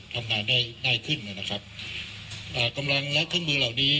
ทำงานได้ง่ายขึ้นนะครับอ่ากำลังและเครื่องมือเหล่านี้